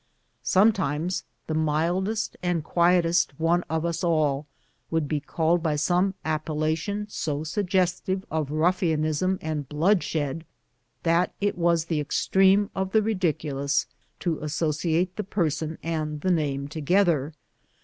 Sometimes the mildest and quietest one of us all would be called by some appellation so suggestive of ruffianism and bloodshed that it was the extreme of the ridiculous to associate the person and the name together.